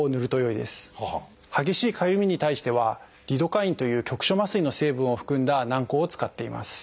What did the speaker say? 激しいかゆみに対してはリドカインという局所麻酔の成分を含んだ軟こうを使っています。